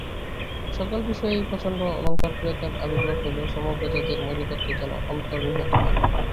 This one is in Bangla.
সকল বিষয়েই প্রচণ্ড অলঙ্কারপ্রিয়তার আবির্ভাব হইল, সমগ্র জাতির মৌলিকত্ব যেন অন্তর্হিত হইল।